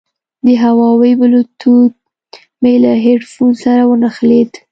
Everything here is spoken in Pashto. د هوواوي بلوتوت مې له هیډفون سره ونښلید.